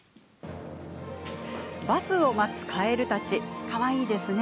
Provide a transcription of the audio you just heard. バスを待つカエルたちかわいいですね。